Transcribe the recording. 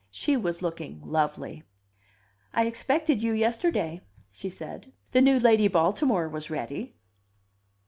She was looking lovely. "I expected you yesterday," she said. "The new Lady Baltimore was ready."